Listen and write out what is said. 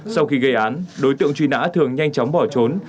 sau khi gây án đối tượng truy nã thường nhanh chóng bỏ trốn